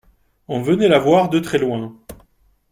On venait la voir de très-loin.